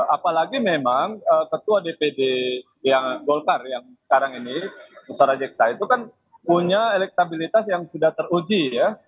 apalagi memang ketua dpd yang golkar yang sekarang ini mustara jeksa itu kan punya elektabilitas yang sudah teruji ya